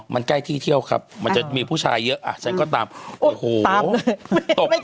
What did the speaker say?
มันใกล้ที่เที่ยวครับมันจะมีผู้ชายเยอะอ่ะฉันก็ตามโอ้โหตบ